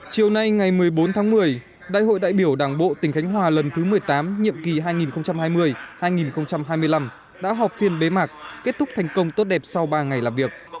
chiều nay ngày một mươi bốn tháng một mươi đại hội đại biểu đảng bộ tỉnh khánh hòa lần thứ một mươi tám nhiệm kỳ hai nghìn hai mươi hai nghìn hai mươi năm đã họp phiên bế mạc kết thúc thành công tốt đẹp sau ba ngày làm việc